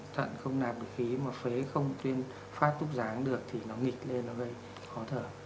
phế không nạp được khí mà phế không tuyên phát túc giáng được thì nó nghịch lên nó gây khó thở